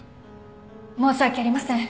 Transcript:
申し訳ありません。